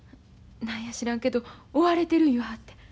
何や知らんけど追われてる言わはって。